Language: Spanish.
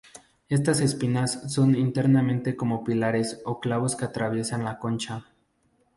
Estas espinas son internamente como pilares o clavos que atraviesan la concha.